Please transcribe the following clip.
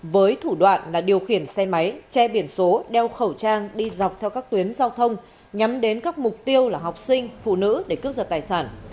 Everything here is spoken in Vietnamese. với thủ đoạn là điều khiển xe máy che biển số đeo khẩu trang đi dọc theo các tuyến giao thông nhắm đến các mục tiêu là học sinh phụ nữ để cướp giật tài sản